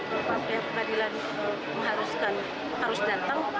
kepada pihak pengadilan yang harus datang